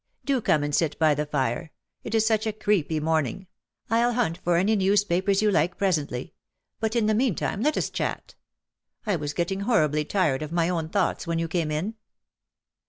Do come and sit by the fire. It is such a creepy morning. I'll hunt for any newspapers you like presently ; but in the mean while let us chat. I was getting horribly tired of my own thoughts when you came in.''